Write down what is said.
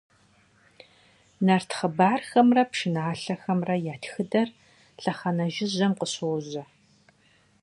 Нарт хъыбархэмрэ пшыналъэхэмрэ я тхыдэр лъэхъэнэ жыжьэм къыщожьэ.